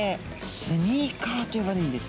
スニーカーと呼ばれるんです。